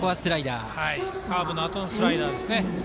カーブのあとのスライダーですね。